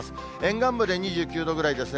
沿岸部で２９度ぐらいですね。